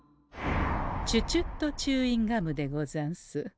チュチュットチューインガムでござんす。